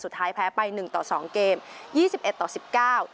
แพ้ไปหนึ่งต่อสองเกมยี่สิบเอ็ดต่อสิบเก้า